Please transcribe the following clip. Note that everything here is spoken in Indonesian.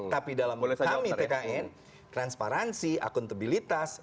tapi dalam kami tkn transparansi akuntabilitas